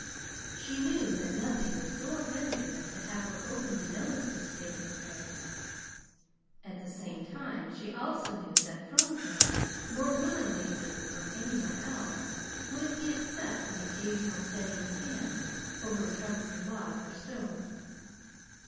She knew that nothing would so offend him as to have her openly notice this state of affairs. At the same time, she also knew that from her, more willingly than from any one else, would he accept an occasional steadying hand over a troublesome log or stone.